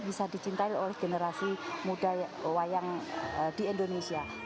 bisa dicintai oleh generasi muda wayang di indonesia